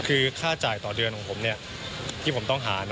คือค่าจ่ายต่อเดือนของผมที่ผมต้องหา